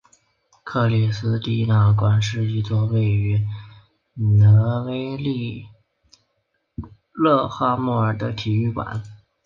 克里斯蒂娜馆是一座位于挪威利勒哈默尔的体育馆。